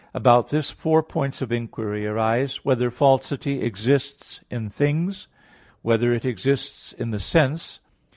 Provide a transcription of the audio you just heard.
About this four points of inquiry arise: (1) Whether falsity exists in things? (2) Whether it exists in the sense?